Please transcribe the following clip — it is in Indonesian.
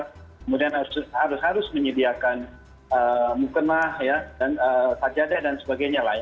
kemudian harus harus menyediakan mukenah ya dan sajadah dan sebagainya lain